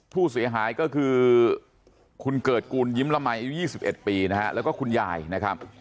ผู้เสียหายก็คือคุณเกิดกูลยิ้มละมัยอายุ๒๑ปีนะฮะแล้วก็คุณยายนะครับ